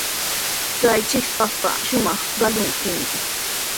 Chay shipashqa shumaq qaqllayuqmi.